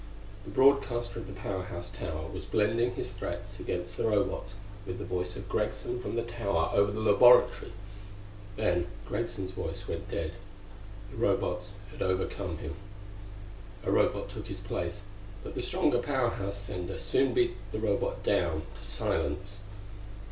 The broadcaster of the Power House tower was blending his threats against the Robots with the voice of Greggson from the tower over the laboratory. Then Greggson's voice went dead; the Robots had overcome him. A Robot took his place, but the stronger Power House sender soon beat the Robot down to silence.